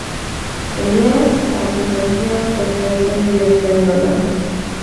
Tenía ascendencia francesa y española.